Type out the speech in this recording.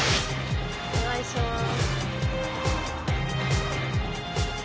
お願いします。